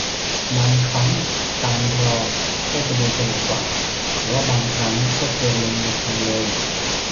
บางครั้งการรอก็จะดูฉลาดกว่า แต่ว่าบางครั้งก็ควรลงมือทำเลย